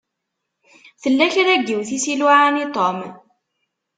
Tella kra n yiwet i s-iluɛan i Tom.